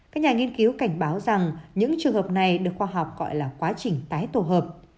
các nhà nghiên cứu cảnh báo rằng những trường hợp này được khoa học gọi là quá trình tái tổ hợp